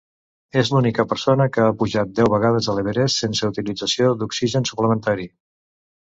És l'única persona que ha pujat deu vegades a l'Everest sense utilització d'oxigen suplementari.